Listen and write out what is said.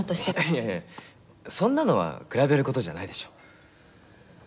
いやいやそんなのは比べる事じゃないでしょ。